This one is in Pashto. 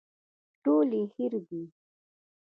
ټول يې هېر دي.